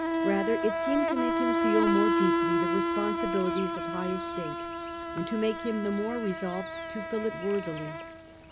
Rather it seemed to make him feel more deeply the responsibilities of high estate, and to make him the more resolved to fill it worthily.